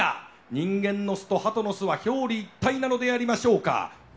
人間の巣とハトの巣は表裏一体なのでありましょうか？